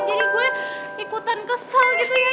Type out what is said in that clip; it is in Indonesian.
jadi gue ikutan kesel gitu ya